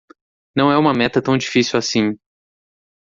Não é uma meta tão difícil assim.